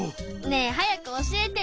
ねえ早く教えてよ。